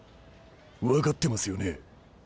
分かってますよね？